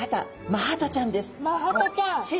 マハタちゃん。